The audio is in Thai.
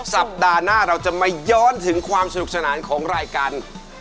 สัปดาห์หน้าเราจะมาย้อนถึงความสนุกสนานของรายการ